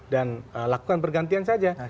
dan lakukan pergantian saja